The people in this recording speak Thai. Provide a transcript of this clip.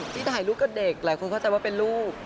ที่ถ่ายรูปกับเด็กหลายคนเข้าใจว่าเป็นลูก